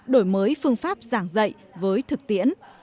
đổi mới phương pháp giảng dạy với thực tiễn